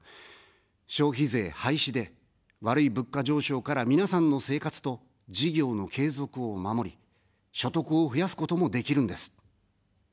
消費税廃止で、悪い物価上昇から皆さんの生活と、事業の継続を守り、所得を増やすこともできるんです。